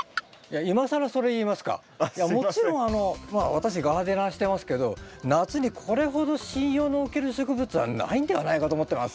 私ガーデナーしてますけど夏にこれほど信用のおける植物はないんではないかと思ってます。